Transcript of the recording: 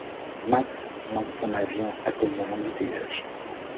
Max manque son avion à cause d'un embouteillage.